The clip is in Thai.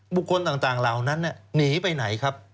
บุคคลต่างเหล่านั้นหนีไปไหนครับ